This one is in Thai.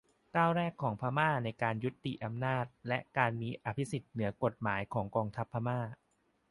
ก้าวแรกของพม่าในการยุติอำนาจและการมีอภิสิทธิ์เหนือกฎหมายของกองทัพพม่า